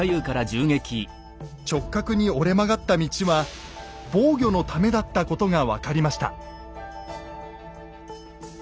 直角に折れ曲がった道は防御のためだったことが分かりました。